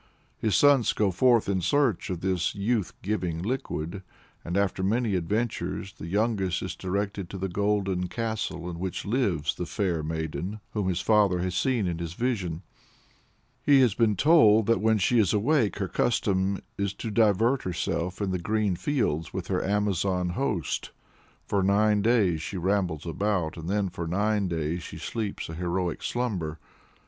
His sons go forth in search of this youth giving liquid, and, after many adventures, the youngest is directed to the golden castle in which lives the "fair maiden," whom his father has seen in his vision. He has been told that when she is awake her custom is to divert herself in the green fields with her Amazon host "for nine days she rambles about, and then for nine days she sleeps a heroic slumber."